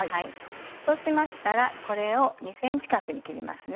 そうしましたらこれを２ｃｍ角に切ります。